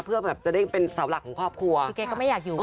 เพราะว่าน้องเบสเล่าให้ฟังนะคะว่าเขามีความเชื่อ